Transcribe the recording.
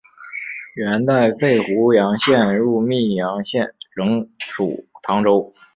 元代废湖阳县入泌阳县仍属唐州。